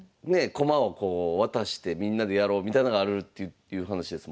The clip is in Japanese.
駒をこう渡してみんなでやろうみたいのがあるっていう話ですもんね。